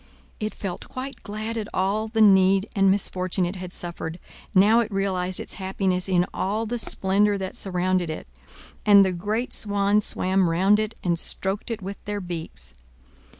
It felt quite glad at all the need and misfortune it had suffered, now it realized its happiness in all the splendor that surrounded it. And the great swans swam round it, and stroked it with their beaks.